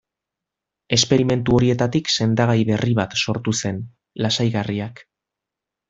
Esperimentu horietatik sendagai berri bat sortu zen: lasaigarriak.